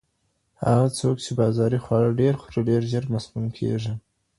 هغه څوک چې بازاري خواړه ډېر خوري، ډېر ژر مسموم کیږي.